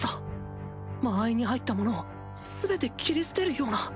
間合いに入った者をすべて斬り捨てるような。